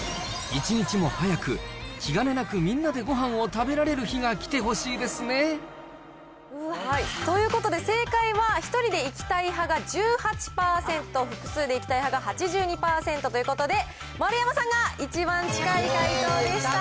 一日も早く、気兼ねなくみんなでごはんを食べられる日が来てということで、正解は１人で行きたい派が１８％、複数で行きたい派が８２％ということで、丸山さんが一番近い回答でした。